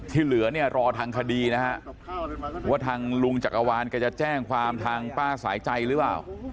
เหลือเนี่ยรอทางคดีนะฮะว่าทางลุงจักรวาลแกจะแจ้งความทางป้าสายใจหรือเปล่า